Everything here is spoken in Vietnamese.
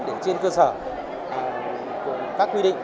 để trên cơ sở các quy định